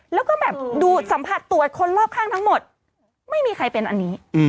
แล้วก็แบบดูสัมผัสตรวจคนรอบข้างทั้งหมดไม่มีใครเป็นอันนี้